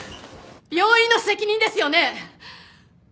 病院の責任ですよね！？